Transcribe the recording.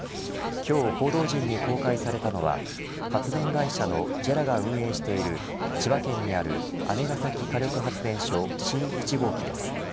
今日、報道陣に公開されたのは発電会社のＪＥＲＡが運営している千葉県にある姉崎火力発電所新１号機です。